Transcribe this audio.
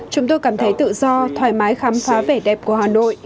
chúng tôi cảm thấy tự do thoải mái khám phá vẻ đẹp của hà nội